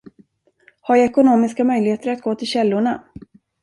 Har jag ekonomiska möjligheter att gå till källorna?